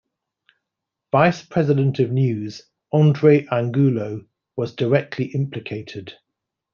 Vice President of News, Andres Angulo was directly implicated.